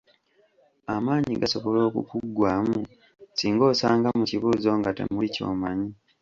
Amaanyi gasobola okukuggwaamu singa osanga mu kibuuzo nga temuli kyomanyi.